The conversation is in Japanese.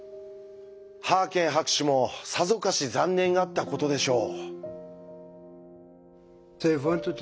ハーケン博士もさぞかし残念がったことでしょう。